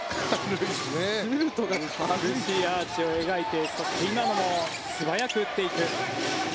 美しいアーチを描いてそして今のも素早く打っていく。